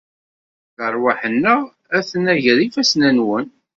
Lerwaḥ-nneɣ aten-a gar ifassen-nwen.